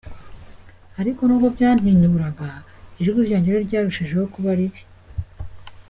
Ariko n’ubwo byantinyuraga, ijwi ryanjye ryo ryarushijeho kuba ribi.